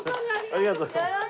ありがとうございます。